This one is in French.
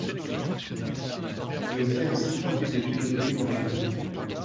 Il obtient ainsi trois types de philosophies morales.